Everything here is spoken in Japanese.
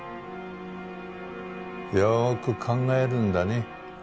よく考えるんだね。